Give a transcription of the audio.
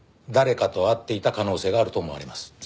誰かと会っていた可能性があると思われます。